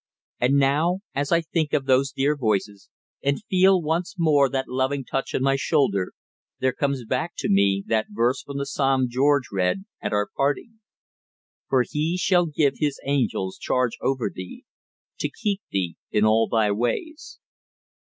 And now, as I think of those dear voices, and feel once more that loving touch on my shoulder, there comes back to me that verse from the Psalm George read at our parting "For He shall give His angels charge over thee, to keep thee in all thy ways."